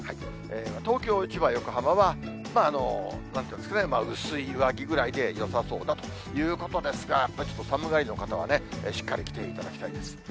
東京、千葉、横浜は薄い上着ぐらいでよさそうだということですが、やっぱりちょっと寒がりの方は、しっかり着ていただきたいです。